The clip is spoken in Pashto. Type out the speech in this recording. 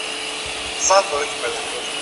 ورځني کوچني کارونه ډیر مهم دي.